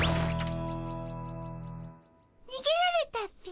にげられたっピ。